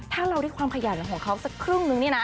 ถ้าเราได้ความขยันของเขาสักครึ่งนึงเนี่ยนะ